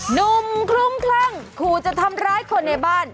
หนุ่มคลุ้มคลั่งขู่จะทำร้ายคนในบ้าน